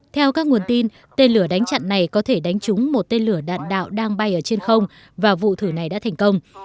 theo các nguồn tin tên lửa đánh chặn này có thể đánh trúng một tên lửa đạn đạo đang bay ở trên không và vụ thử này đã thành công